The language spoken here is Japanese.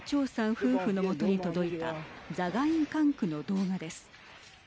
夫婦の元に届いたザガイン管区の動画です。